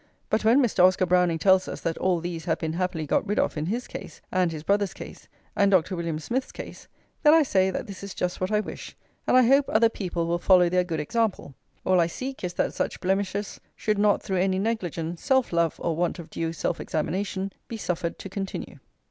But when Mr. Oscar Browning tells us that all these have been happily got rid of in his case, and his brother's case, and Dr. William Smith's case, then I say that this is just what I wish, and I hope other people will follow their good example. All I seek is that such blemishes should not through any negligence, self love, or want of due self examination, be suffered to continue.